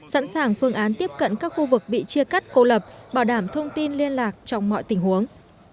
sẵn sàng phương án tiếp cận các khu vực bị chia cắt cô lập bảo đảm thông tin liên lạc trong mọi tình huống